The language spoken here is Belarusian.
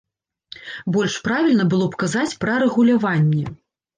Больш правільна было б казаць пра рэгуляванне.